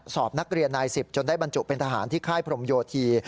สอบนักเรียนนาย๑๐จนได้บรรจุเป็นทหารที่ค่ายพรมโยธี